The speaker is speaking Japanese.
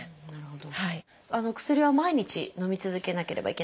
なるほど。